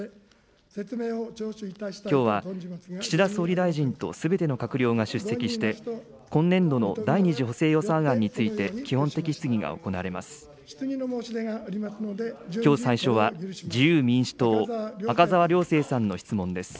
きょうは、岸田総理大臣とすべての閣僚が出席して、今年度の第２次補正予算案について基本的質疑が行われます。